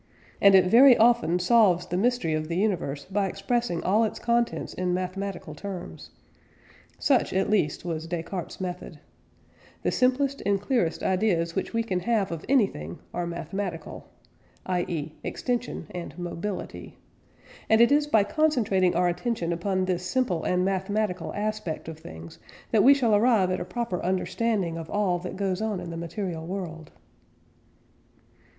And it very often solves the mystery of the universe by expressing all its contents in mathematical terms. Such, at least, was Descartes' method. The simplest and clearest ideas which we can have of anything are mathematical, i.e. extension and mobility. And it is by concentrating our attention upon this simple and mathematical aspect of things that we shall arrive at a proper understanding of all that goes on in the material world.